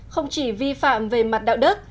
không chỉ vi phạm về mặt đạo đức